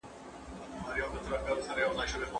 دا مربع شکلونه دئ.